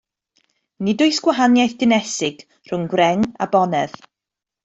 Nid oes gwahaniaeth dinesig rhwng gwreng a bonedd.